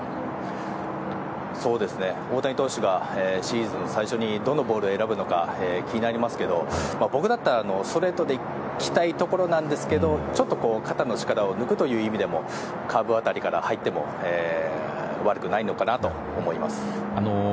大谷投手がシーズン最初にどのボールを選ぶのか気になりますけれども僕だったらストレートでいきたいところなんですがちょっと肩の力を抜くという意味でもカーブ辺りから入っても悪くないのかなと思います。